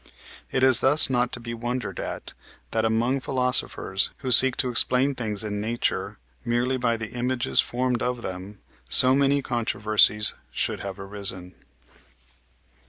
It is thus not to be wondered at, that among philosophers, who seek to explain things in nature merely by the images formed of them, so many controversies should have arisen.